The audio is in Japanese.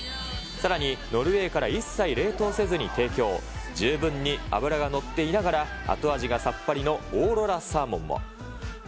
さらにノルウェーから一切冷凍せずに提供、十分に脂が乗っていながら、後味がさっぱりのオーロラサーモンも。